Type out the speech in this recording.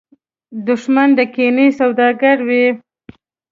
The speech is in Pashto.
دښمن د کینې سوداګر وي